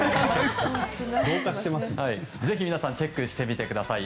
ぜひ皆さんチェックしてみてください。